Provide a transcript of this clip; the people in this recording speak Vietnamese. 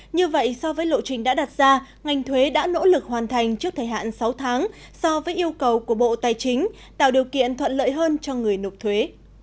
như vậy so với lộ trình đã đặt ra ngành thuế đã nỗ lực hoàn thành trước thời hạn sáu tháng so với yêu cầu của bộ tài chính tạo điều kiện thuận lợi hơn cho người nộp thuế